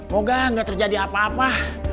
moga gak terjadi apa apa